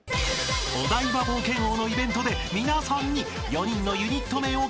［お台場冒険王のイベントで皆さんに４人のユニット名を決めてもらいます］